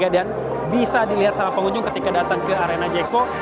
dan bisa dilihat sama pengunjung ketika datang ke arena j expo